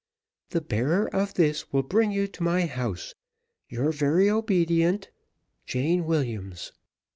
The bearer of this will bring you to my house. "Your very obedient, "JANE WILLIAMS."